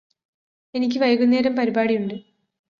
എനിക്ക് വൈകുന്നേരം പരിപാടിയുണ്ട്